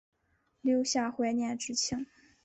留下怀念之情